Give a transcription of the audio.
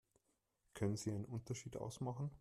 Können Sie einen Unterschied ausmachen?